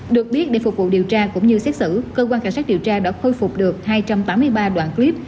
được biết để phục vụ điều tra cũng như xét xử cơ quan cảnh sát điều tra đã khôi phục được hai trăm tám mươi ba đoạn clip